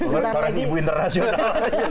kongres ibu internasional